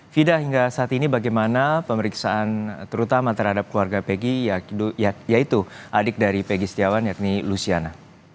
fida hingga saat ini bagaimana pemeriksaan terutama terhadap keluarga pegi yaitu adik dari pegi setiawan yakni luciana